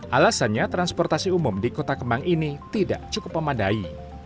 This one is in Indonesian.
alasannya transportasi umum di kota kemang ini tidak cukup memadai